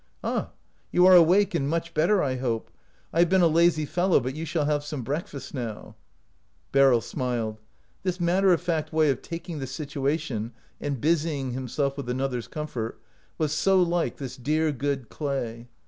" Ah, you are awake, and much better, I hope. I have been a lazy fellow, but you shall have some breakfast now." Beryl smiled. This matter of fact way of taking the situation and busying himself with another's comfort was so like this dear, good Clay.